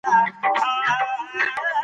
موږ بايد صادق اوسو.